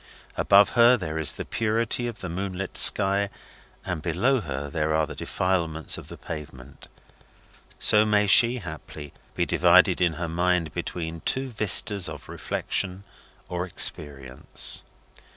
As above her there is the purity of the moonlit sky, and below her there are the defilements of the pavement, so may she, haply, be divided in her mind between two vistas of reflection or experience.